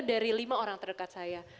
dari lima orang terdekat saya